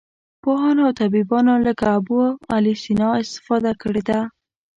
پوهانو او طبیبانو لکه ابوعلي سینا استفاده کړې ده.